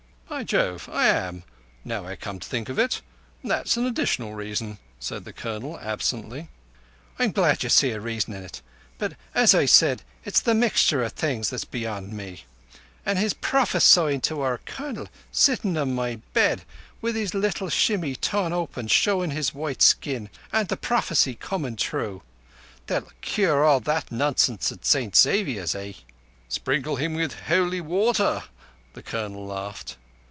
"By Jove, I am, now I come to think of it. That's an additional reason," said the Colonel absently. "I'm glad ye see a reason in it. But as I said, it's the mixture o' things that's beyond me. An' his prophesyin' to our Colonel, sitting on my bed with his little shimmy torn open showing his white skin; an' the prophecy comin' true! They'll cure all that nonsense at St Xavier's, eh?" "Sprinkle him with holy water," the Colonel laughed.